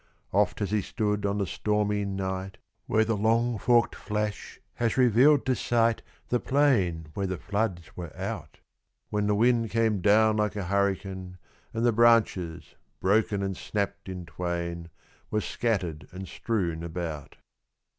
Oft has he stood on the stormy night, When the long forked flash has revealed to sight The plain where the floods were out; When the wind came down like a hurricane, And the branches, broken and snapped in twain, Were scattered and strewn about.